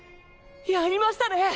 やりましたね！